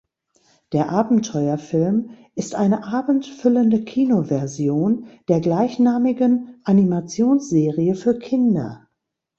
Der Abenteuerfilm ist eine abendfüllende Kinoversion der gleichnamigen Animationsserie für Kinder.